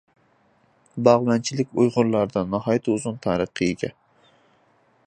باغۋەنچىلىك ئۇيغۇرلاردا ناھايىتى ئۇزۇن تارىخقا ئىگە.